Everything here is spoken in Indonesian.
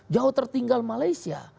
jauh tertinggal malaysia